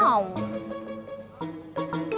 bu enggak usah